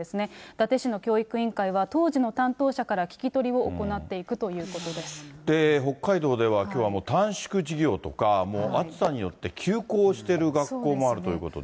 伊達市の教育委員会は、当時の担当者から聞き取りを行っていくと北海道ではきょうはもう短縮授業とか、もう暑さによって休校してる学校もあるということで。